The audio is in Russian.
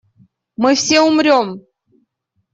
Мы все умрём!